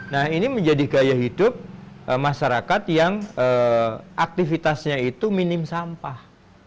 nah ini menjadi gaya hidup masyarakat yang aktivitasnya itu minim sampah